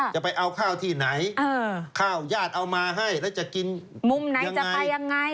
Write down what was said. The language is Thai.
จะไปเอาข้าวที่ไหนข้าวยาดเอามาให้แล้วจะกินยังไง